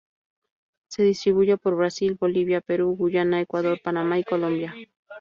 Se distribuye por Brasil, Bolivia, Perú, Guyana, Ecuador, Panamá y Colombia.